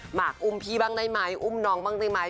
หมากอุ้มพี่บ้างได้ไหมอุ้มน้องบ้างได้ไหม